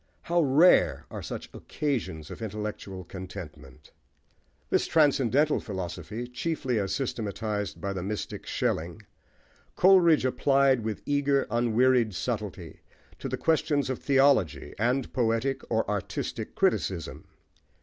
How rare are such occasions of intellectual contentment! This transcendental philosophy, chiefly as systematised by the mystic Schelling, Coleridge applied with an eager, unwearied subtlety, to the questions of theology, and poetic or artistic criticism.